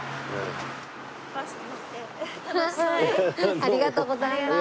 ありがとうございます。